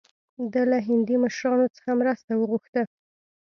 ده له هندي مشرانو څخه مرسته وغوښته.